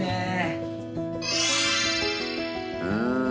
うん。